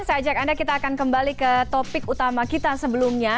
saya ajak anda kita akan kembali ke topik utama kita sebelumnya